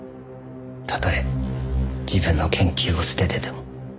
たとえ自分の研究を捨ててでも。